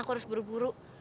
aku harus buru buru